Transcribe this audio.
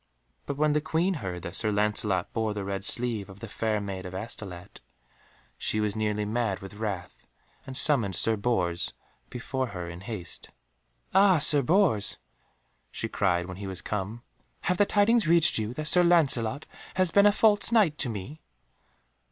But when the Queen heard that Sir Lancelot bore the red sleeve of the Fair Maid of Astolat, she was nearly mad with wrath, and summoned Sir Bors before her in haste. "Ah, Sir Bors," she cried when he was come, "have the tidings reached you that Sir Lancelot has been a false Knight to me?"